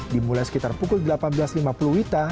dimulai sekitar pukul delapan belas lima puluh wita